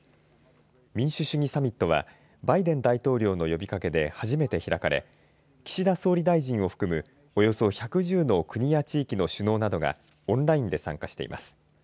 民主主義サミットはバイデン大統領の呼びかけで初めて開かれ岸田総理大臣を含むおよそ１１０の国や地域の首脳などがオンラインで参加しています。